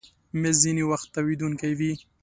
مېز ځینې وخت تاوېدونکی وي.